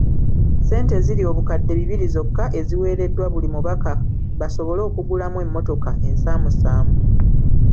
Ssente ziri obukadde bibiri zokka eziweereddwa buli mubaka basobole okugulamu emmotoka ensaamusaamu.